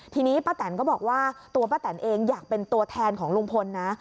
ทีนี้ป้าแตนก็บอกว่าตัวป้าแตนเองอยากเป็นตัวแทนของลุงพลนะ